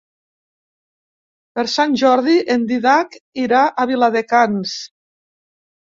Per Sant Jordi en Dídac irà a Viladecans.